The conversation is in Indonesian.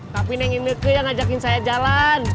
tapi nengi neko yang ajakin saya jalan